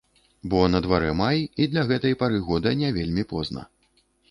Бо на дварэ май, і для гэтай пары года не вельмі позна.